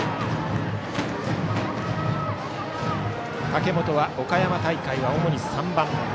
竹本は岡山大会は主に３番。